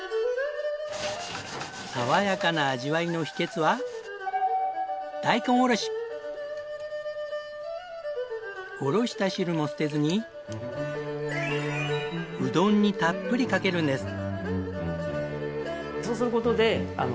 爽やかな味わいの秘訣はおろした汁も捨てずにうどんにたっぷりかけるんです。